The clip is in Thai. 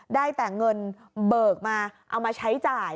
ได้แต่เงินเบิกมาเอามาใช้จ่าย